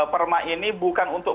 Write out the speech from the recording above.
perma ini bukan untuk